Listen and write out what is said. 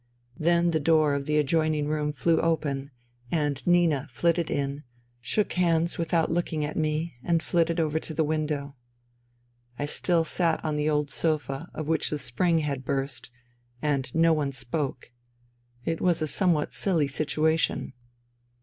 Then the door of the adjoining room flew open, and Nina flitted in, shook hands without looking at me and flitted over to the window. I still sat on the old sofa, of which the spring had burst, and no one spoke. It was a somewhat silly situation.